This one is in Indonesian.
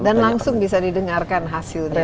dan langsung bisa didengarkan hasilnya kan ya